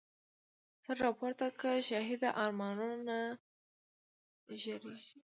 سر را پورته که شهیده، ارمانونه د رږیږی